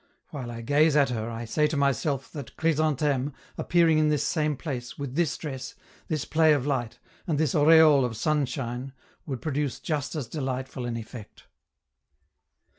While I gaze at her, I say to myself that Chrysantheme, appearing in this same place, with this dress, this play of light, and this aureole of sunshine, would produce just as delightful an effect.